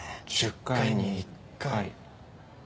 １０回に１回。